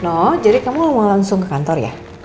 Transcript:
no jadi kamu mau langsung ke kantor ya